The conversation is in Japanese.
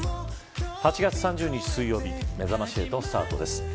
８月３０日水曜日めざまし８スタートです。